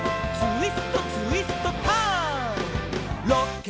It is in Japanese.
「ツイストツイストターン！」